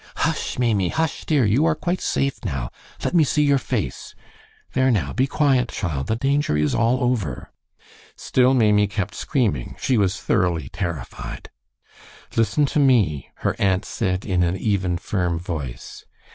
"Hush, Maimie; hush, dear. You are quite safe now. Let me see your face. There now, be quiet, child. The danger is all over." Still Maimie kept screaming. She was thoroughly terrified. "Listen to me," her aunt said, in an even, firm voice.